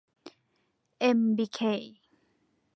เอ็ม บี เค